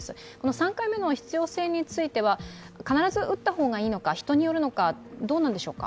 ３回目の必要性については必ず打った方がいいのか人によるのか、どうなんでしょうか？